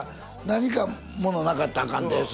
何かものなかったらあかんで。